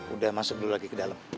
udah masuk dulu lagi ke dalam